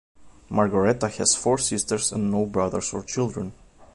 Margareta has four sisters and no brothers or children.